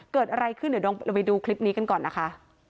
เกิดอะไรขึ้นเดี๋ยวเราไปดูคลิปนี้กันก่อนนะคะ